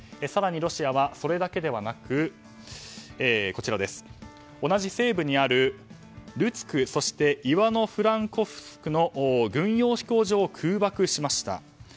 更にロシアはそれだけではなく同じ西部にあるルツクイワノ・フランコフスクの軍用飛行場を空爆しました。